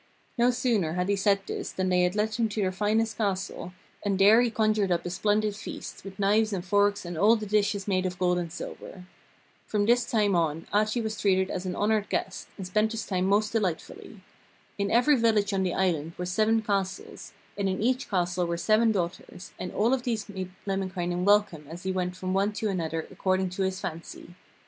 No sooner had he said this than they led him to their finest castle, and there he conjured up a splendid feast, with knives and forks and all the dishes made of gold and silver. From this time on Ahti was treated as an honoured guest, and spent his time most delightfully. In every village on the island were seven castles, and in each castle were seven daughters, and all of these made Lemminkainen welcome as he went from one to another according to his fancy.